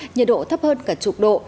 nhiệt độ thấp hơn cả chục độ